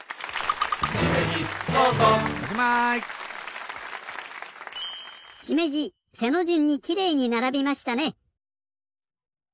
しめじ背のじゅんにきれいにならびましたね！